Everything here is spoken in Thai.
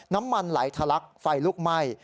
น้ำมันไหลทะลักไฟลุกไหม้